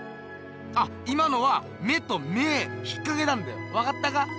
あっ今のは目と芽引っかけたんだよわかったか？